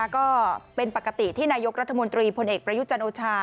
ก็เป็นปกติที่นายกรัฐมนตรีพลเอกประยุจันทร์โอชา